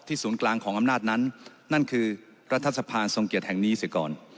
ที่ศูนย์กลางของอำนาจนั้นนั่นคือรัฐสภาพทรงเกียจแห่งนี้ซิกร